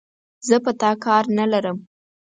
زه په تا کار نه لرم،